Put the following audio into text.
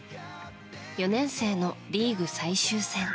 ４年生のリーグ最終戦。